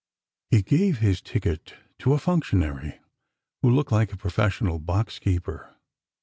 He gave his ticket to a functionary who looked like a profes sional boxkeeper.